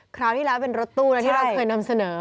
คราวที่แล้วเป็นรถตู้นะที่เราเคยนำเสนอ